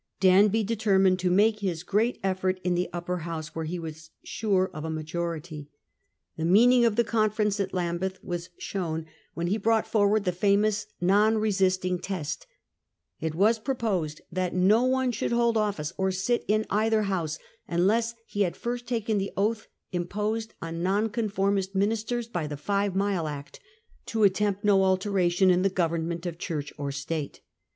Danby determined to make his great effort in the Upper House, where he was sure of a majority. The Non meaning of the conference at Lambeth was >assed by CSt shown when he brought forward the famous the Lords. ' Non resisting Test.' It was proposed that no one should hold office or sit in either House unless he had first taken the oath imposed on Nonconformist ministers by the Five Mile Act, to attempt no alteration in the government of Church or State.